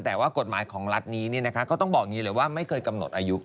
แต่ว่ากฎหมายของรัฐนี้ก็ต้องบอกอย่างนี้เลยว่าไม่เคยกำหนดอายุ